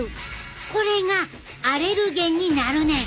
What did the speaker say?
これがアレルゲンになるねん。